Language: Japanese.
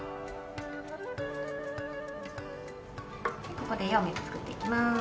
ここで葉脈作っていきます。